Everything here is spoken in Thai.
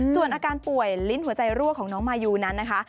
ส่วนอาการป่วยลิ้นหัวใจรั่วของน้องมายูนั้นนะคะ